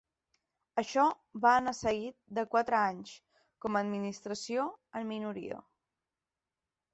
Això va anar seguit de quatre anys com a administració en minoria.